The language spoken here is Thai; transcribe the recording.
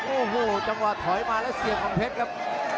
โอ้โหจังหวะถอยมาแล้วเสียบของเพชรครับ